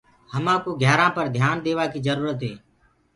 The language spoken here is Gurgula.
همآ ڪوُ گھيآرآنٚ پر ڌيآن ديوآ ڪي جروُرت هي۔